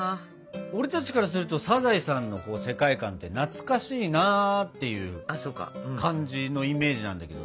俺たちからするとサザエさんの世界観って懐かしいなっていう感じのイメージなんだけどさ。